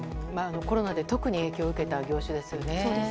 コロナで特に影響を受けた業種ですよね。